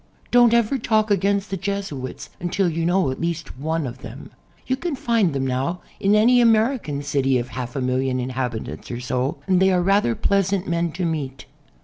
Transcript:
Don't ever talk against the Jesuits until you know at least one of them. You can find them now in any American city oi half a million inhabitants or so, and they are rather pleasant men to meet.